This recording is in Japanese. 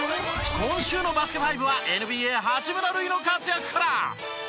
今週の『バスケ☆ＦＩＶＥ』はＮＢＡ八村塁の活躍から。